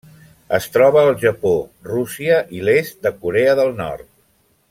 Es troba al Japó, Rússia i l'est de Corea del Nord.